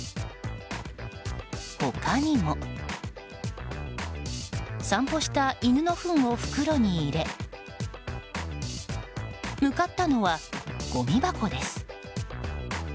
他にも散歩した犬のふんを袋に入れ向かったのはごみ箱です。